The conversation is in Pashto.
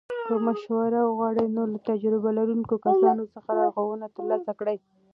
که مشوره وغواړې، نو له تجربه لرونکو کسانو څخه لارښوونه ترلاسه کړه.